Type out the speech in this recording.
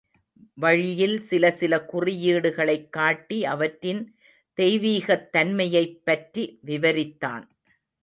வழியில் சில சில குறியீடுகளைக் காட்டி அவற்றின் தெய்வீகத் தன்மையைப் பற்றி விவரித்தான்.